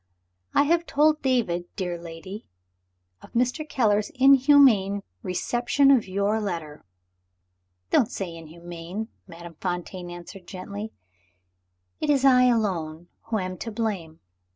"I have told David, dear lady, of Mr. Keller's inhuman reception of your letter." "Don't say 'inhuman,'" Madame Fontaine answered gently; "it is I alone who am to blame.